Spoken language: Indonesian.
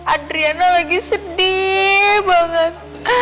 adriana lagi sedih banget